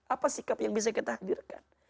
apa sikap yang bisa kita hadirkan